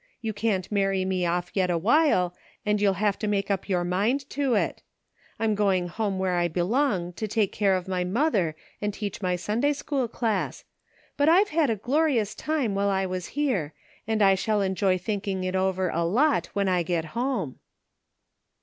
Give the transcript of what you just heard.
You can't marry me off yet awhile and you'll have to make up yotir mind to it I'm going home where I belong to take care of my mother and teach my Sunday School class; but I've had a glorious time while I was here and I shall enjoy thinking it over a lot when I get home.'